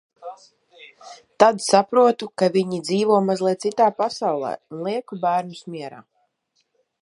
Tad saprotu, ka viņi dzīvo mazliet citā pasaulē, un lieku bērnus mierā.